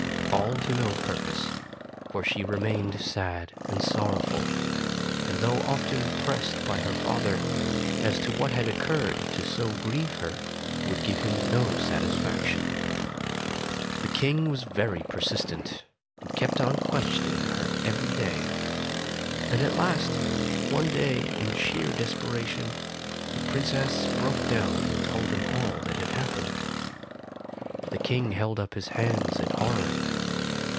All to no purpose, for she remained sad and sorrowful, and though often pressed 64 Tales of Modern Germany by her father, as to what had occurred to so grieve her, would give him no satisfaction. The King was very persistent, and kept on questioning her every day. And at last^ one day, in sheer desperation, the Princess broke down and told him all that had happened. The King held up his hands in horror.